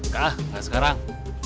kak enggak sekarang